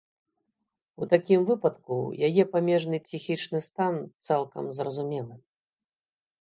У такім выпадку яе памежны псіхічны стан цалкам зразумелы.